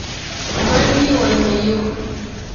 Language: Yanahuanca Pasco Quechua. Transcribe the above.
malli waynayuqmi.